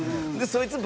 そいつ